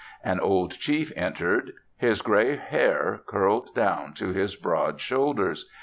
An old chief entered. His grey hair curled down to his broad shoulders.